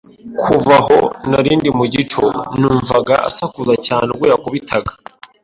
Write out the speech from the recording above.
Kuva aho nari ndi mu gico, numvaga asakuza cyane ubwo yakubitaga.